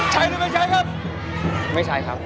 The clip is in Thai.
ใช้หรือไม่ใช้ครับ